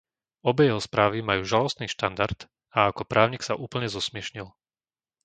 Obe jeho správy majú žalostný štandard, a ako právnik sa úplne zosmiešnil.